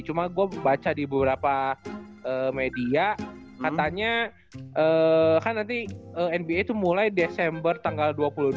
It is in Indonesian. cuma gue baca di beberapa media katanya kan nanti nba itu mulai desember tanggal dua puluh dua